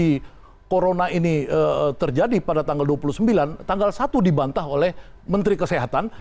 di corona ini terjadi pada tanggal dua puluh sembilan tanggal satu dibantah oleh menteri kesehatan